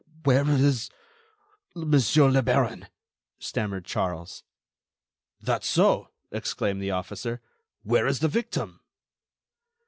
"Where is.... Monsieur le Baron?" stammered Charles. "That's so!" exclaimed the officer, "where is the victim?"